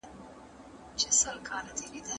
هېڅ شی پټ نه پاتې کيږي.